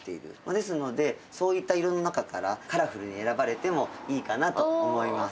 ですのでそういった色の中からカラフルに選ばれてもいいかなと思います。